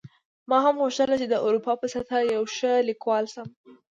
ما هم غوښتل چې د اروپا په سطحه یو ښه لیکوال شم